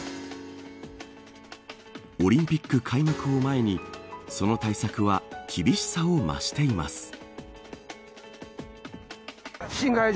オリンピック開幕を前にその対策は厳しさを増しています。